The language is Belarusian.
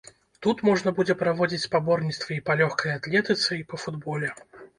Тут можна будзе праводзіць спаборніцтвы і па лёгкай атлетыцы, і па футболе.